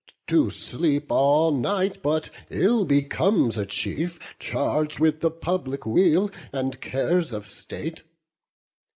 To sleep all night but ill becomes a chief, Charg'd with the public weal, and cares of state.